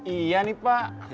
iya nih pak